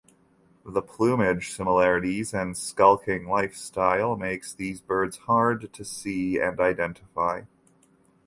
The plumage similarities and skulking lifestyle makes these birds hard to see and identify.